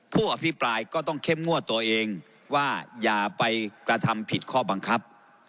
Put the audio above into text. ผู้อภิปรายก็ต้องเข้มงวดตัวเองว่าอย่าไปกระทำผิดข้อบังคับ